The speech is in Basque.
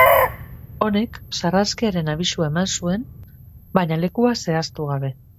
Honek sarraskiaren abisua eman zuen baina lekua zehaztu gabe.